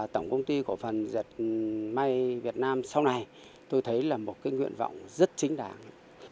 tổng công ty của phần rệt máy việt nam sau này tôi thấy là một cái nguyện vọng rất chính đáng